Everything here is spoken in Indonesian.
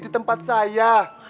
di tempat saya